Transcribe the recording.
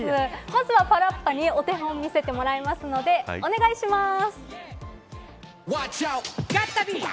まずはパラッパにお手本を見せてもらうのでお願いします。